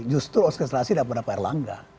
justru orkestrasi daripada pak erlangga